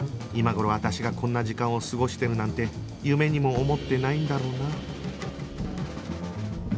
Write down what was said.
今頃私がこんな時間を過ごしてるなんて夢にも思ってないんだろうな